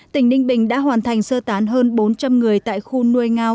tỉnh ninh bình đã hoàn thành sơ tán hơn bốn trăm linh người tại khu nuôi ngao